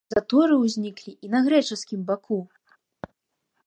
Заторы ўзніклі і на грэчаскім баку.